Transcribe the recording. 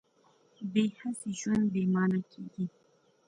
بې هڅې ژوند بې مانا کېږي.